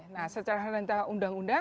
nah secara rencana undang undang